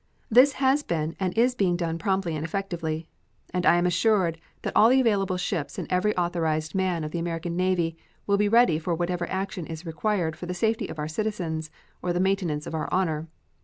This has been and is being done promptly and effectively, and I am assured that all the available ships and every authorized man of the American Navy will be ready for whatever action is required for the safety of our citizens or the maintenance of our honor.